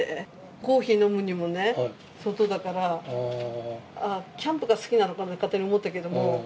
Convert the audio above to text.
コーヒー飲むにもね、外だから。あっ、キャンプが好きなのかなって勝手に思ったけど。